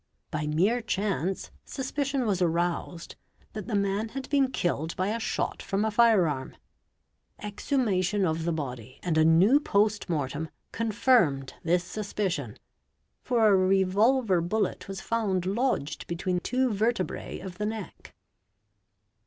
By mere chance suspicion was aroused that the man had been killed by a shot from a fire arm; exhumation of the body and a new post mortem confirmed _ this suspicion, for a revolver bullet was found lodged between two verte ' brae of the neck.